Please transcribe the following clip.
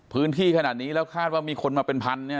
พื้นที่ขนาดนี้แล้วคาดว่ามีคนมาเป็นพันเนี่ย